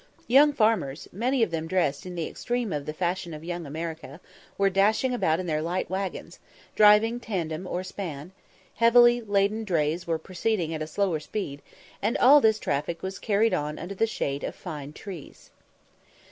Young farmers, many of them dressed in the extreme of the fashion of Young America, were dashing about in their light waggons, driving tandem or span; heavily laden drays were proceeding at a slower speed; and all this traffic was carried on under the shade of fine trees.